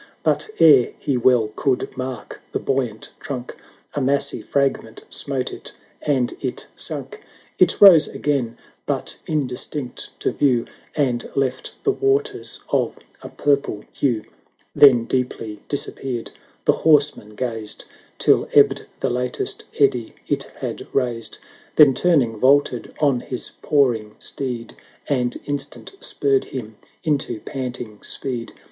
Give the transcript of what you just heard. But ere he well could mark the buoyant trunk, A massy fragment smote it, and it sunk: It rose again, but indistinct to view, And left the waters of a purple hue, Then deeply disappeared: the horse man gazed Till ebbed the latest eddy it had raised; Then turning, vaulted on his pawing steed, 1 23 1 And instant spurred him into panting speed.